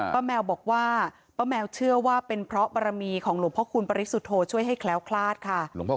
ปะแมวบอกว่าปะแมวเชื่อเป็นเพราะประมีของโหนมพคริสุทธส์ช่วยให้แคล้วคลาสค่ะ